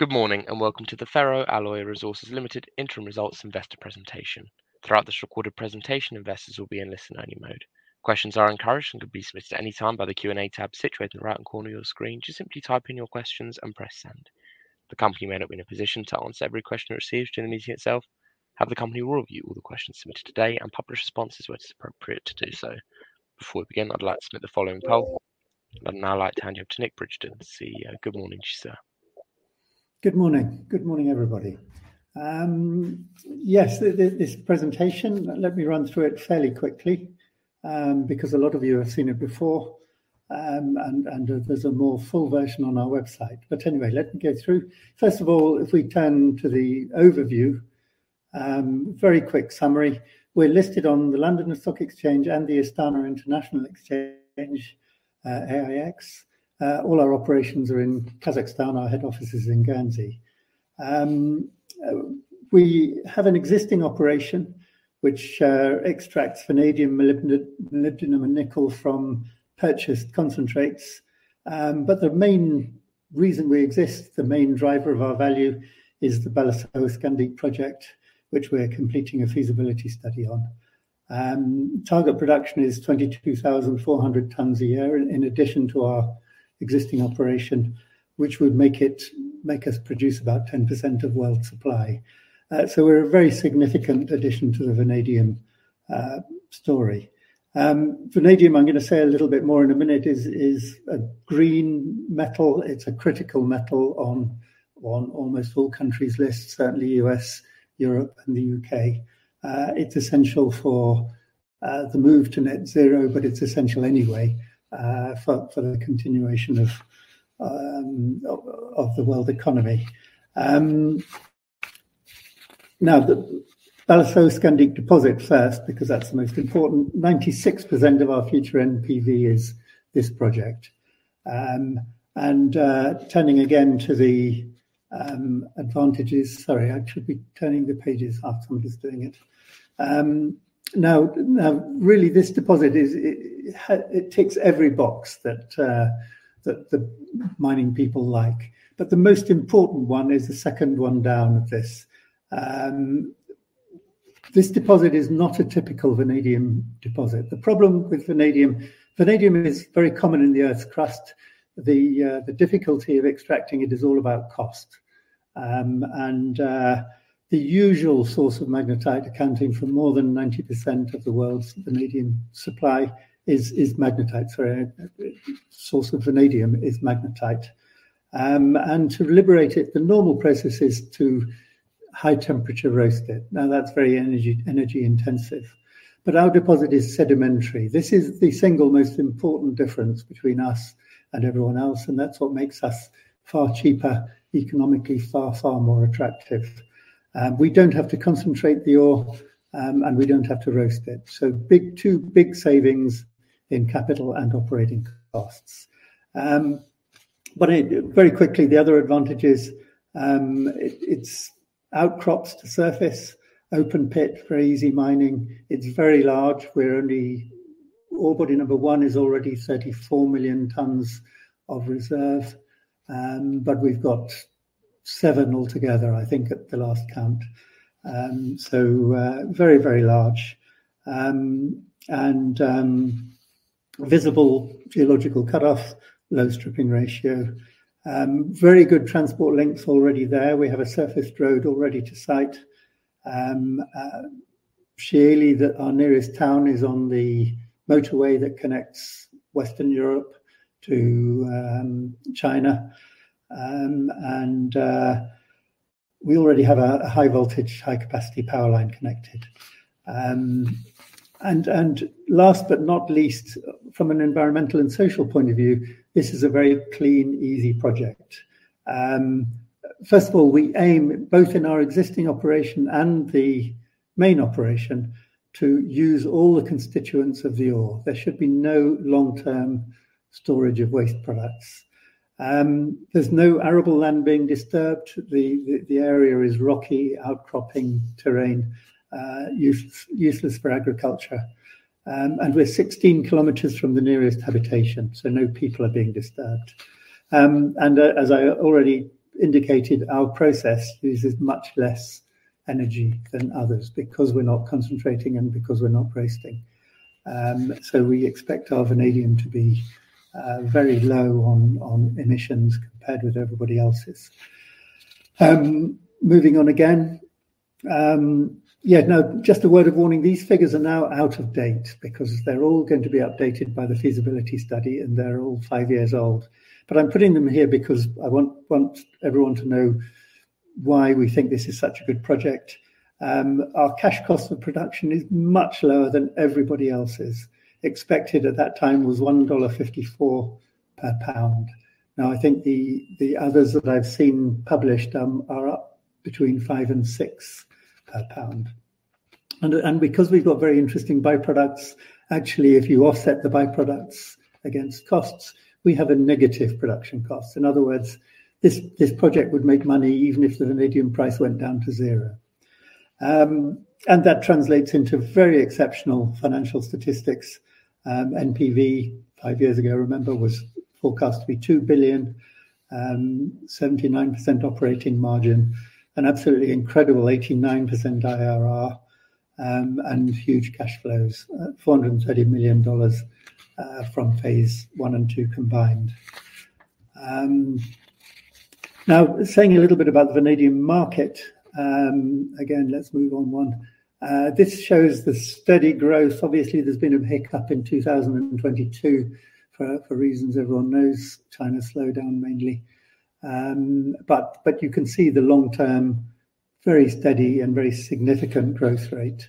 Good morning, and welcome to the Ferro-Alloy Resources Limited Interim Results Investor Presentation. Throughout this recorded presentation, investors will be in listen-only mode. Questions are encouraged and can be submitted at any time by the Q&A tab situated in the right-hand corner of your screen. Just simply type in your questions and press send. The company may not be in a position to answer every question received during the meeting itself, however, the company will review all the questions submitted today and publish responses where it is appropriate to do so. Before we begin, I'd like to note the following poll. I'd now like to hand you over to Nick Bridgen, CEO. Good morning to you, sir. Good morning. Good morning, everybody. Yes, this presentation, let me run through it fairly quickly, because a lot of you have seen it before, and there's a more full version on our website. Anyway, let me go through. First of all, if we turn to the overview, very quick summary. We're listed on the London Stock Exchange and the Astana International Exchange, AIX. All our operations are in Kazakhstan. Our head office is in Guernsey. We have an existing operation which extracts vanadium, molybdenum, and nickel from purchased concentrates. The main reason we exist, the main driver of our value is the Balasausqandiq project, which we're completing a feasibility study on. Target production is 22,400 tons a year in addition to our existing operation, which would make us produce about 10% of world supply. We're a very significant addition to the vanadium story. Vanadium, I'm gonna say a little bit more in a minute, is a green metal. It's a critical metal on almost all countries' lists, certainly U.S., Europe, and the U.K. It's essential for the move to net zero, but it's essential anyway for the continuation of the world economy. Now the Balasausqandiq deposit first, because that's the most important. 96% of our future NPV is this project. Turning again to the advantages. Sorry, I should be turning the pages after I'm just doing it. Now really this deposit is it ticks every box that the mining people like. The most important one is the second one down of this. This deposit is not a typical vanadium deposit. The problem with vanadium is very common in the Earth's crust. The difficulty of extracting it is all about cost. The usual source of magnetite accounting for more than 90% of the world's vanadium supply is magnetite. Sorry, source of vanadium is magnetite. To liberate it, the normal process is to high temperature roast it. That's very energy intensive. Our deposit is sedimentary. This is the single most important difference between us and everyone else, and that's what makes us far cheaper, economically far more attractive. We don't have to concentrate the ore, and we don't have to roast it. Two big savings in capital and operating costs. Very quickly, the other advantage is, it's outcrops to surface, open pit, very easy mining. It's very large. Ore body number one is already 34 million tons of reserve, but we've got seven altogether, I think, at the last count. Very, very large. Visible geological cutoff, low stripping ratio. Very good transport links already there. We have a surfaced road already to site. Shieli, our nearest town, is on the motorway that connects Western Europe to China. We already have a high voltage, high capacity power line connected. Last but not least, from an environmental and social point of view, this is a very clean, easy project. First of all, we aim, both in our existing operation and the main operation, to use all the constituents of the ore. There should be no long-term storage of waste products. There's no arable land being disturbed. The area is rocky outcropping terrain, useless for agriculture. We're 16 km from the nearest habitation, so no people are being disturbed. As I already indicated, our process uses much less energy than others because we're not concentrating and because we're not roasting. We expect our vanadium to be very low on emissions compared with everybody else's. Moving on again. Yeah. Now, just a word of warning. These figures are now out of date because they're all going to be updated by the feasibility study, and they're all five years old. I'm putting them here because I want everyone to know why we think this is such a good project. Our cash cost of production is much lower than everybody else's. Expected at that time was $1.54 per pound. Now, I think the others that I've seen published are up between $5 and $6 per pound. And because we've got very interesting byproducts, actually if you offset the byproducts against costs, we have a negative production cost. In other words, this project would make money even if the vanadium price went down to zero. That translates into very exceptional financial statistics. NPV five years ago, remember, was forecast to be $2 billion, 79% operating margin, an absolutely incredible 89% IRR, and huge cash flows, $430 million from phase I and II combined. Now, saying a little bit about the vanadium market, again, let's move on one. This shows the steady growth. Obviously, there's been a hiccup in 2022 for reasons everyone knows, China's slowdown mainly. You can see the long term, very steady and very significant growth rate.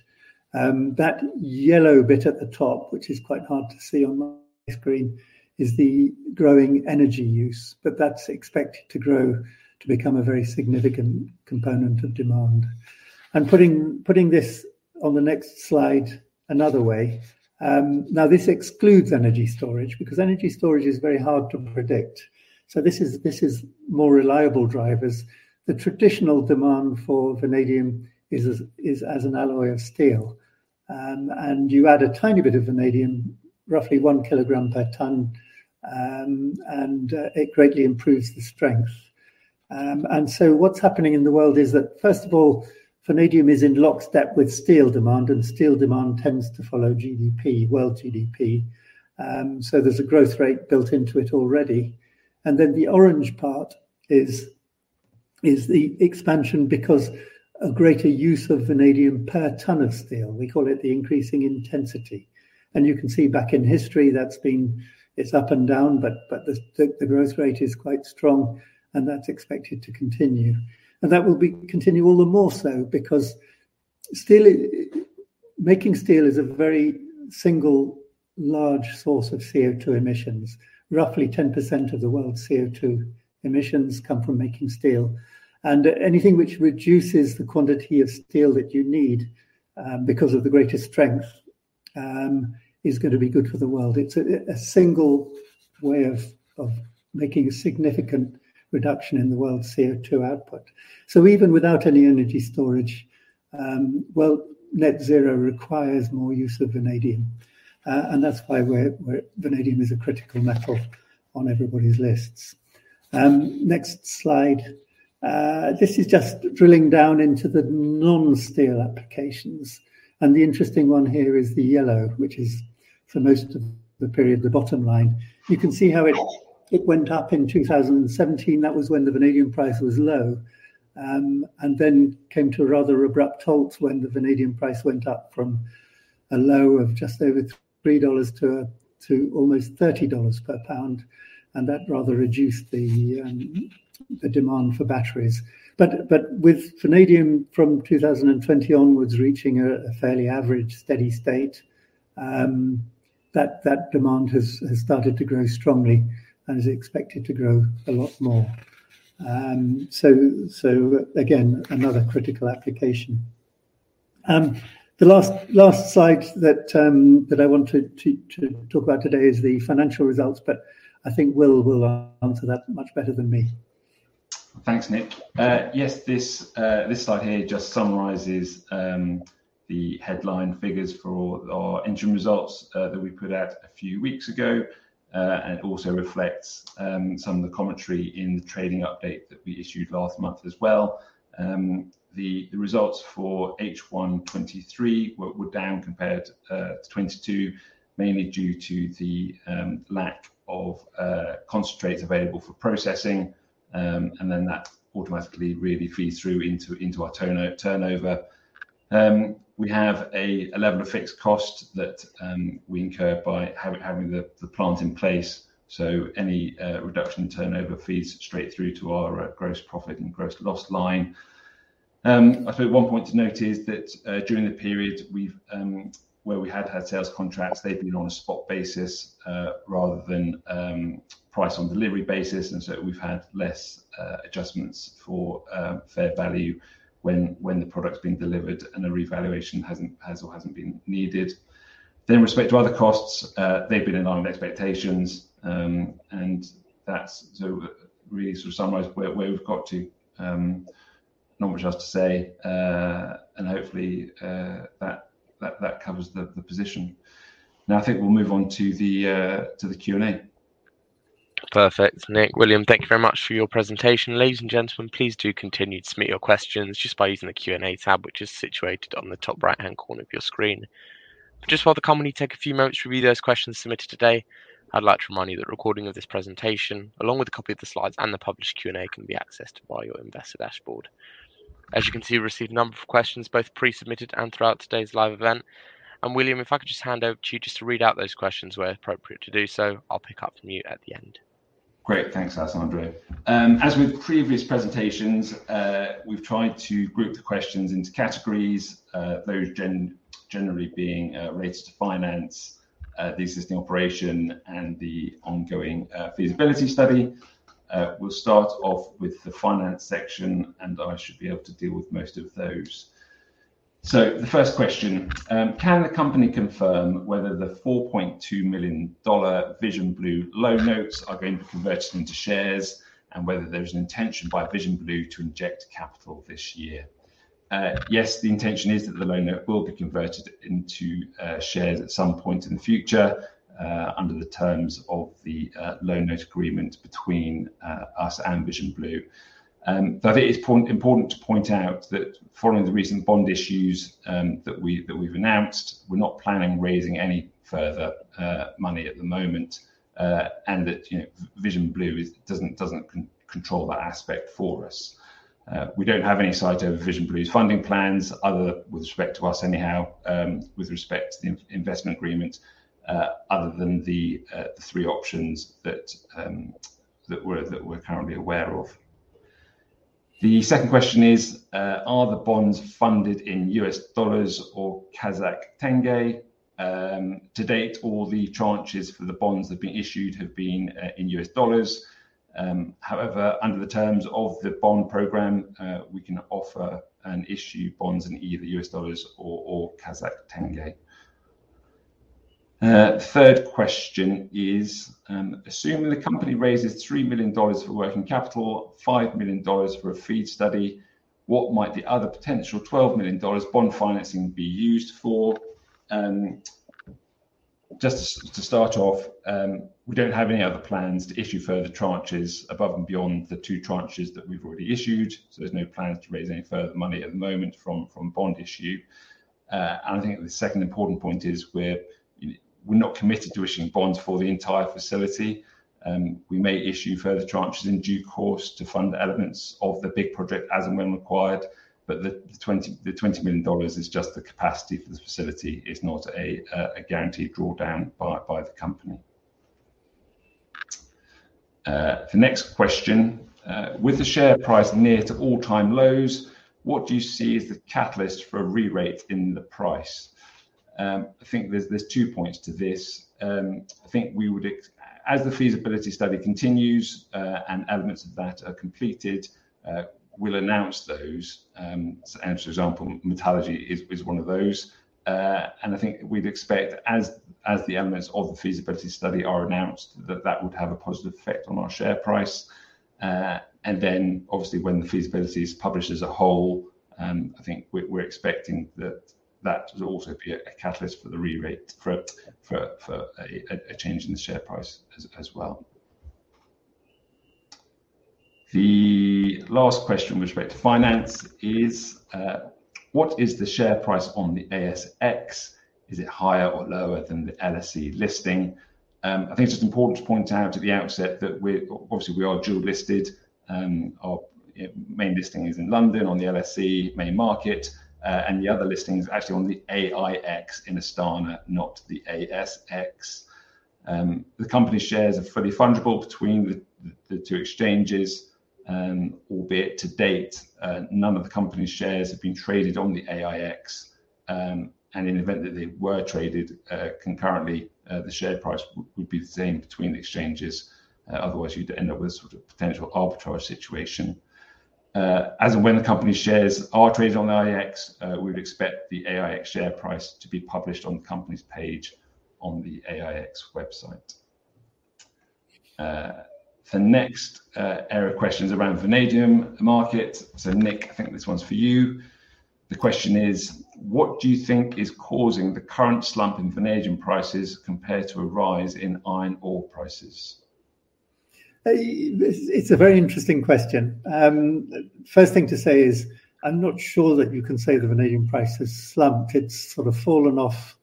That yellow bit at the top, which is quite hard to see on my screen, is the growing energy use. That's expected to grow to become a very significant component of demand. Putting this on the next slide another way. Now this excludes energy storage because energy storage is very hard to predict. This is more reliable drivers. The traditional demand for vanadium is as an alloy of steel. You add a tiny bit of vanadium, roughly 1 kilogram per ton, and it greatly improves the strength. What's happening in the world is that, first of all, vanadium is in lockstep with steel demand, and steel demand tends to follow GDP, world GDP. There's a growth rate built into it already. Then the orange part is the expansion because a greater use of vanadium per ton of steel. We call it the increasing intensity. You can see back in history, that's been up and down, but the growth rate is quite strong, and that's expected to continue. That will continue all the more so because steel, making steel is a very significant source of CO2 emissions. Roughly 10% of the world's CO2 emissions come from making steel. Anything which reduces the quantity of steel that you need because of the greater strength is gonna be good for the world. It's a significant way of making a significant reduction in the world's CO2 output. Even without any energy storage, net zero requires more use of vanadium. That's why vanadium is a critical metal on everybody's lists. Next slide. This is just drilling down into the non-steel applications. The interesting one here is the yellow, which is for most of the period, the bottom line. You can see how it went up in 2017. That was when the vanadium price was low. Came to a rather abrupt halt when the vanadium price went up from a low of just over $3 to almost $30 per pound. That rather reduced the demand for batteries. With vanadium from 2020 onwards reaching a fairly average steady state, that demand has started to grow strongly and is expected to grow a lot more. Again, another critical application. The last slide that I want to talk about today is the financial results, but I think Will will answer that much better than me. Thanks, Nick. Yes, this slide here just summarizes the headline figures for our interim results that we put out a few weeks ago and also reflects some of the commentary in the trading update that we issued last month as well. The results for H1 2023 were down compared to 2022, mainly due to the lack of concentrates available for processing. That automatically really feeds through into our turnover. We have a level of fixed cost that we incur by having the plant in place. Any reduction in turnover feeds straight through to our gross profit and gross loss line. I suppose one point to note is that during the period where we had sales contracts, they've been on a spot basis rather than price on delivery basis. We've had less adjustments for fair value when the product's been delivered and a revaluation has or hasn't been needed. In respect to other costs, they've been in line with expectations. That's to really sort of summarize where we've got to. Not much else to say. Hopefully that covers the position. Now I think we'll move on to the Q&A. Perfect. Nick, William, thank you very much for your presentation. Ladies and gentlemen, please do continue to submit your questions just by using the Q&A tab, which is situated on the top right-hand corner of your screen. Just while the company take a few moments to review those questions submitted today, I'd like to remind you that a recording of this presentation, along with a copy of the slides and the published Q&A, can be accessed via your investor dashboard. As you can see, we received a number of questions, both pre-submitted and throughout today's live event. William, if I could just hand over to you just to read out those questions where appropriate to do so. I'll pick up from you at the end. Great. Thanks, Alessandro. As with previous presentations, we've tried to group the questions into categories, those generally being related to finance, the existing operation and the ongoing feasibility study. We'll start off with the finance section, and I should be able to deal with most of those. The first question, can the company confirm whether the $4.2 million Vision Blue loan notes are going to be converted into shares and whether there's an intention by Vision Blue to inject capital this year? Yes, the intention is that the loan note will be converted into shares at some point in the future, under the terms of the loan note agreement between us and Vision Blue. It's important to point out that following the recent bond issues that we've announced, we're not planning raising any further money at the moment, and that, you know, Vision Blue doesn't control that aspect for us. We don't have any sight over Vision Blue's funding plans other with respect to us anyhow, with respect to the investment agreement, other than the three options that we're currently aware of. The second question is, are the bonds funded in U.S. dollars or Kazakh tenge? To date, all the tranches for the bonds that have been issued have been in U.S. dollars. However, under the terms of the bond program, we can offer and issue bonds in either U.S. dollars or Kazakh tenge. Third question is, assuming the company raises $3 million for working capital, $5 million for a feasibility study, what might the other potential $12 million bond financing be used for? Just to start off, we don't have any other plans to issue further tranches above and beyond the two tranches that we've already issued, so there's no plans to raise any further money at the moment from bond issue. I think the second important point is we're not committed to issuing bonds for the entire facility. We may issue further tranches in due course to fund elements of the big project as and when required, but the $20 million is just the capacity for this facility. It's not a guaranteed draw down by the company. The next question. With the share price near to all-time lows, what do you see as the catalyst for a re-rate in the price? I think there's two points to this. I think as the feasibility study continues, and elements of that are completed, we'll announce those, as for example, metallurgy is one of those. I think we'd expect as the elements of the feasibility study are announced, that would have a positive effect on our share price. Obviously, when the feasibility is published as a whole, I think we're expecting that will also be a catalyst for the re-rate for a change in the share price as well. The last question with respect to finance is, what is the share price on the AIX? Is it higher or lower than the LSE listing? I think it's just important to point out at the outset that we're obviously dual-listed. Our main listing is in London on the LSE main market. The other listing is actually on the AIX in Astana, not the ASX. The company shares are fully fungible between the two exchanges, albeit to date, none of the company's shares have been traded on the AIX. In the event that they were traded concurrently, the share price would be the same between the exchanges. Otherwise you'd end up with a sort of potential arbitrary situation. As and when the company shares are traded on the AIX, we'd expect the AIX share price to be published on the company's page on the AIX website. The next area of questions around vanadium market, so Nick, I think this one's for you. The question is: What do you think is causing the current slump in vanadium prices compared to a rise in iron ore prices? It's a very interesting question. First thing to say is I'm not sure that you can say the vanadium price has slumped. It's sort of fallen off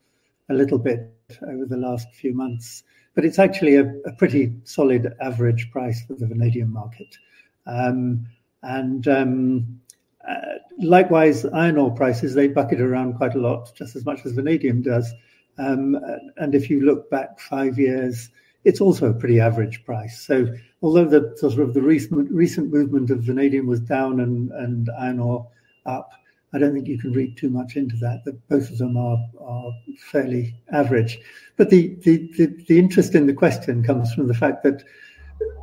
a little bit over the last few months, but it's actually a pretty solid average price for the vanadium market. Likewise, iron ore prices, they bucket around quite a lot, just as much as vanadium does. If you look back five years, it's also a pretty average price. Although the recent movement of vanadium was down and iron ore up, I don't think you can read too much into that both of them are fairly average. The interest in the question comes from the fact that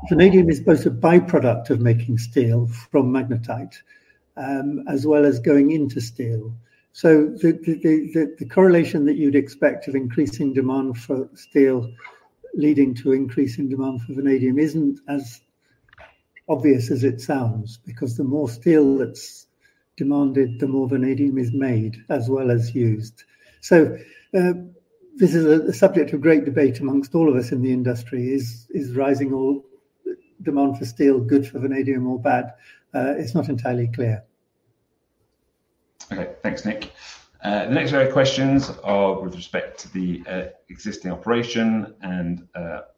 vanadium is both a by-product of making steel from magnetite, as well as going into steel. The correlation that you'd expect of increasing demand for steel leading to increase in demand for vanadium isn't as obvious as it sounds, because the more steel that's demanded, the more vanadium is made as well as used. This is a subject of great debate among all of us in the industry. Is rising demand for steel good for vanadium or bad? It's not entirely clear. Okay. Thanks, Nick. The next area of questions are with respect to the existing operation, and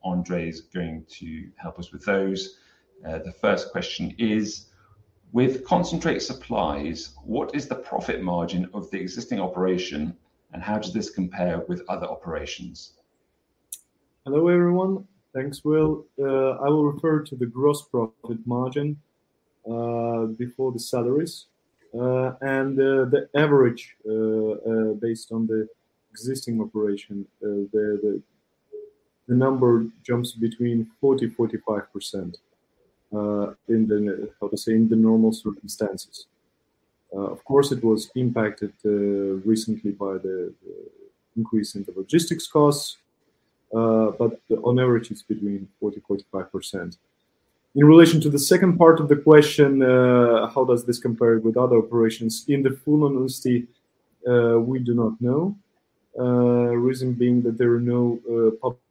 Andrey's going to help us with those. The first question is: With concentrate supplies, what is the profit margin of the existing operation, and how does this compare with other operations? Hello, everyone. Thanks, Will. I will refer to the gross profit margin before the salaries and the average based on the existing operation, the number jumps between 40%-45%, in, say, the normal circumstances. Of course it was impacted recently by the increase in the logistics costs, but on average it's between 40%-45%. In relation to the second part of the question, how does this compare with other operations? In the, we do not know. Reason being that there are no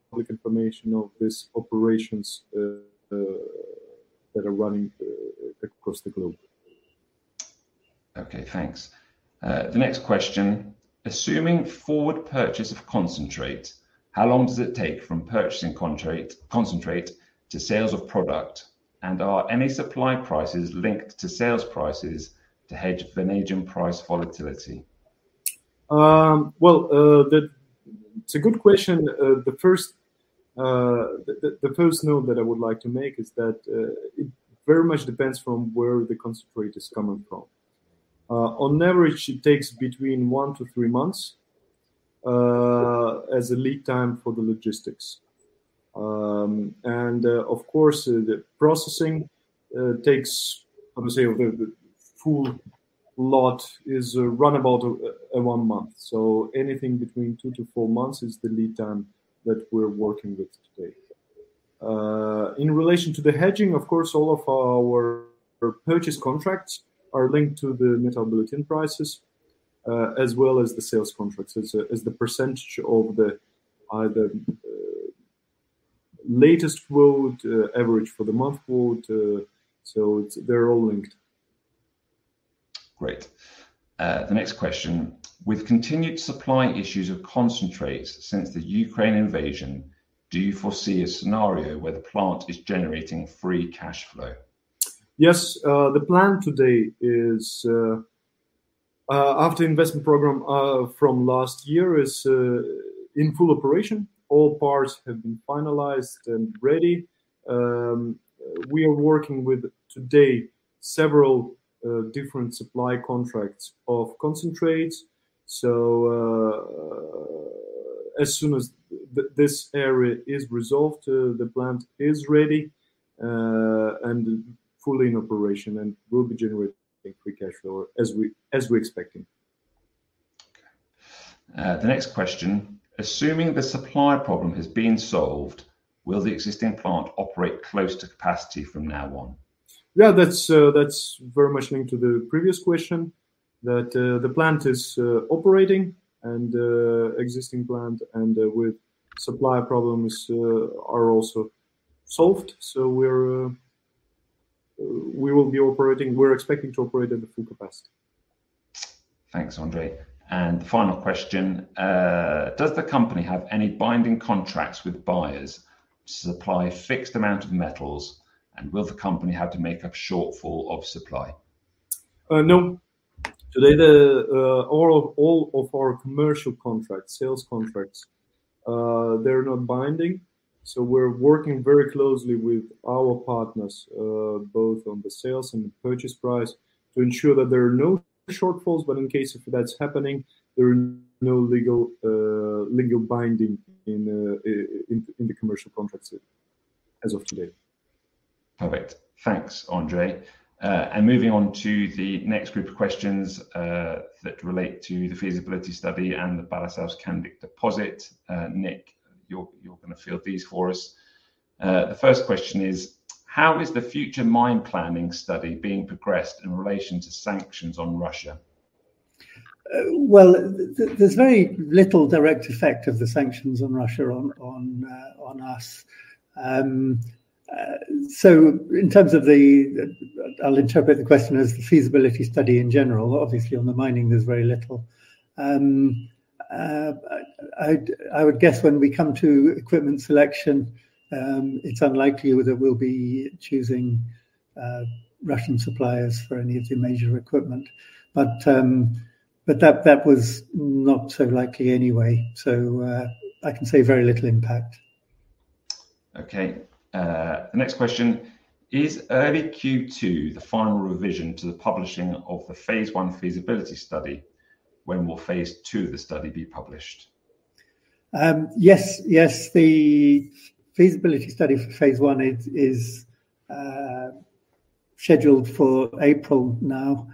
public information of these operations that are running across the globe. Okay, thanks. The next question: Assuming forward purchase of concentrate, how long does it take from purchasing concentrate to sales of product? And are any supply prices linked to sales prices to hedge vanadium price volatility? Well, it's a good question. The first note that I would like to make is that it very much depends from where the concentrate is coming from. On average, it takes between one to three months as a lead time for the logistics. Of course, the processing takes, I would say, a full lot is run about one month. Anything between two to four months is the lead time that we're working with today. In relation to the hedging, of course, all of our purchase contracts are linked to the Metal Bulletin prices as well as the sales contracts. It's the percentage of either the latest world average for the month world, so they're all linked. Great. The next question: with continued supply issues of concentrates since the Ukraine invasion, do you foresee a scenario where the plant is generating free cash flow? Yes. The plan today is after investment program from last year is in full operation. All parts have been finalized and ready. We are working today with several different supply contracts of concentrates. As soon as this area is resolved, the plant is ready and fully in operation and will be generating free cash flow as we're expecting. Okay. The next question: assuming the supply problem has been solved, will the existing plant operate close to capacity from now on? Yeah, that's very much linked to the previous question that the plant is operating and existing plant and with supply problems are also solved. We will be operating. We're expecting to operate at the full capacity. Thanks, Andrey. The final question: does the company have any binding contracts with buyers to supply fixed amount of metals? Will the company have to make up shortfall of supply? No. Today, all of our commercial contracts, sales contracts, they're not binding, so we're working very closely with our partners, both on the sales and the purchase price to ensure that there are no shortfalls. In case if that's happening, there are no legal binding in the commercial contracts as of today. Perfect. Thanks, Andrey. Moving on to the next group of questions that relate to the feasibility study and the Balasausqandiq deposit. Nick, you're gonna field these for us. The first question is. How is the future mine planning study being progressed in relation to sanctions on Russia? There's very little direct effect of the sanctions on Russia on us. In terms of the feasibility study, I'll interpret the question as the feasibility study in general. Obviously, on the mining, there's very little. I would guess when we come to equipment selection, it's unlikely that we'll be choosing Russian suppliers for any of the major equipment. That was not so likely anyway. I can say very little impact. Okay. The next question: is early Q2 the final revision to the publishing of the phase I feasibility study? When will phase II of the study be published? Yes, the feasibility study for phase I is scheduled for April now.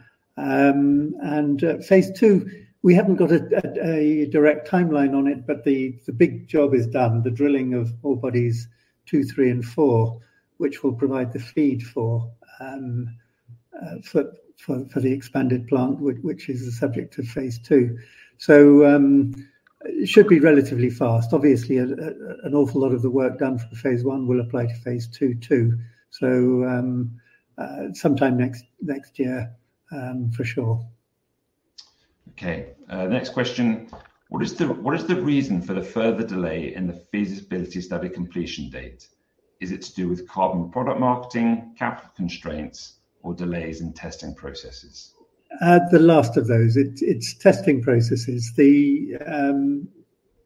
Phase II, we haven't got a direct timeline on it, but the big job is done, the drilling of ore bodies two, three, and four, which will provide the feed for the expanded plant, which is the subject of phase II. It should be relatively fast obviously an awful lot of the work done for phase I will apply to phase II too. Sometime next year, for sure. Okay. Next question: what is the reason for the further delay in the feasibility study completion date? Is it to do with carbon product marketing, capital constraints, or delays in testing processes? The last of those. It's testing processes. The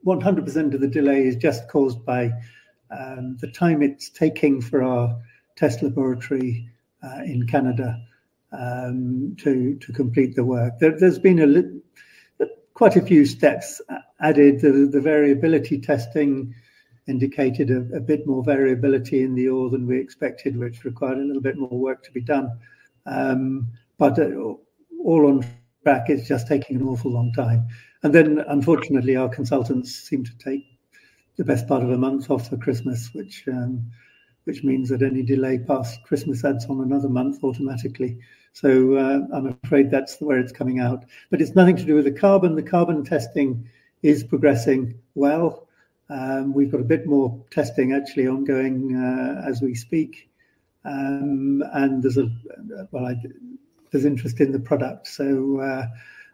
100% of the delay is just caused by the time it's taking for our test laboratory in Canada to complete the work. There's been quite a few steps added. The variability testing indicated a bit more variability in the ore than we expected, which required a little bit more work to be done. All of that is just taking an awful long time. Unfortunately, our consultants seem to take the best part of a month off for Christmas, which means that any delay past Christmas adds on another month automatically. I'm afraid that's where it's coming out. It's nothing to do with the carbon. The carbon testing is progressing well. We've got a bit more testing actually ongoing as we speak. There's interest in the product, so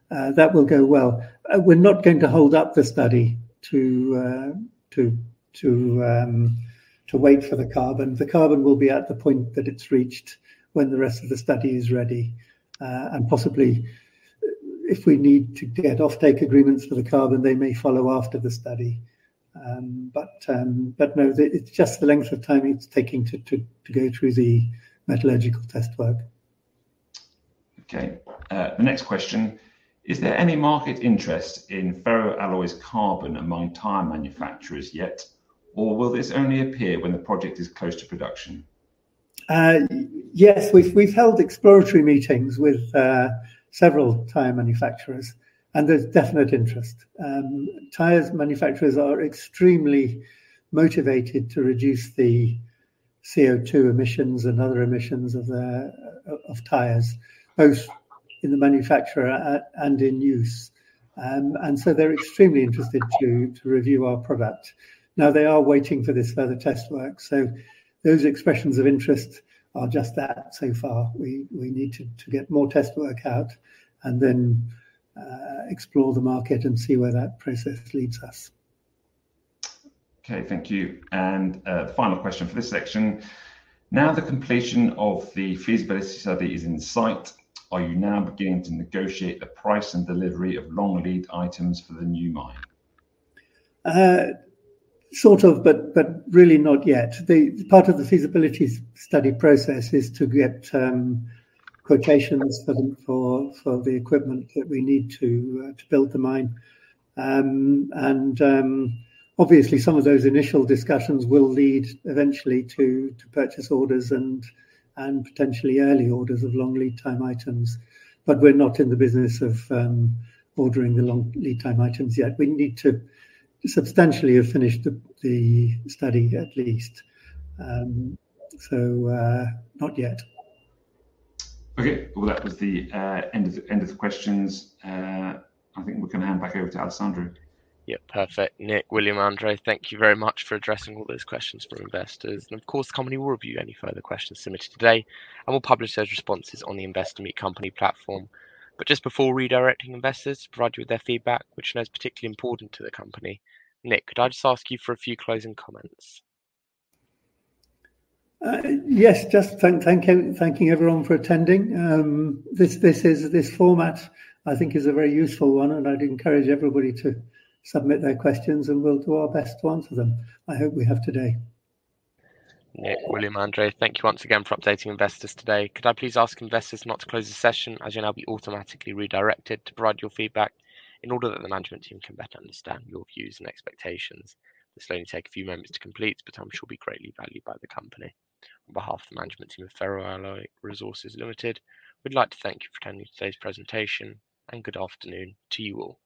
that will go well. We're not going to hold up the study to wait for the carbon. The carbon will be at the point that it's reached when the rest of the study is ready, and possibly if we need to get offtake agreements for the carbon, they may follow after the study. No, it's just the length of time it's taking to go through the metallurgical test work. Okay. The next question. Is there any market interest in Ferro-Alloy's Carbon among tyre manufacturers yet, or will this only appear when the project is close to production? Yes. We've held exploratory meetings with several tyre manufacturers, and there's definite interest. Tyre manufacturers are extremely motivated to reduce the CO2 emissions and other emissions of the tyres, both in the manufacture and in use. They're extremely interested to review our product. Now, they are waiting for this further test work, so those expressions of interest are just that so far. We need to get more test work out and then explore the market and see where that process leads us. Okay. Thank you. The final question for this section. Now the completion of the feasibility study is in sight, are you now beginning to negotiate the price and delivery of long lead items for the new mine? Sort of, but really not yet. The part of the feasibility study process is to get quotations for the equipment that we need to build the mine. Obviously some of those initial discussions will lead eventually to purchase orders and potentially early orders of long lead time items. We're not in the business of ordering the long lead time items yet. We need to substantially have finished the study at least. Not yet. Okay. Well, that was the end of the questions. I think we can hand back over to Alessandro. Yep. Perfect. Nick, William, Andrey, thank you very much for addressing all those questions from investors. Of course, the company will review any further questions submitted today, and we'll publish those responses on the Investor Meet Company platform. Just before redirecting investors to provide you with their feedback, which I know is particularly important to the company, Nick, could I just ask you for a few closing comments? Yes. Just thanking everyone for attending. This format I think is a very useful one, and I'd encourage everybody to submit their questions and we'll do our best to answer them. I hope we have today. Nick, William, Andrey, thank you once again for updating investors today. Could I please ask investors not to close the session, as you'll now be automatically redirected to provide your feedback in order that the management team can better understand your views and expectations. This will only take a few moments to complete, but I'm sure will be greatly valued by the company. On behalf of the management team of Ferro-Alloy Resources Limited, we'd like to thank you for attending today's presentation, and good afternoon to you all.